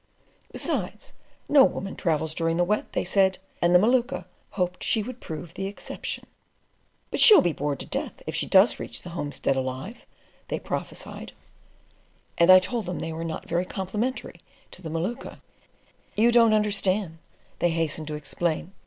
"Besides, no woman travels during the Wet," they said, and the Maluka "hoped she would prove the exception." "But she'll be bored to death if she does reach the homestead alive," they prophesied; and I told them they were not very complimentary to the Maluka. "You don't understand," they hastened to explain.